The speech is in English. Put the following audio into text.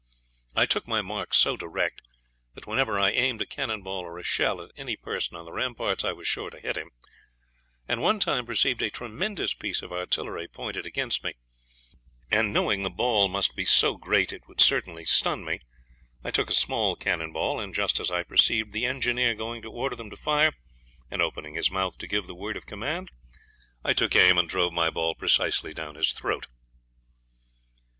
I took my mark so direct, that whenever I aimed a cannon ball or a shell at any person on the ramparts I was sure to hit him: and one time perceiving a tremendous piece of artillery pointed against me, and knowing the ball must be so great it would certainly stun me, I took a small cannon ball, and just as I perceived the engineer going to order them to fire, and opening his mouth to give the word of command, I took aim and drove my ball precisely down his throat.